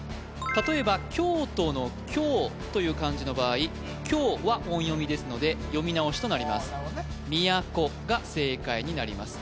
例えば京都の「京」という漢字の場合「きょう」は音読みですので読み直しとなります「みやこ」が正解になります